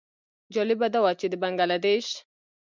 جالبه دا وه چې د بنګله دېش.